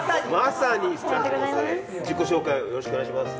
自己紹介をよろしくお願いします。